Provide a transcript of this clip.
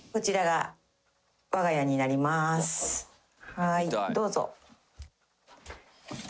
はいどうぞ。